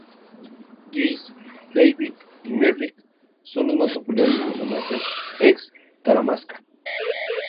Jesse, David y Merrick son los más populares personajes ex-Talamasca.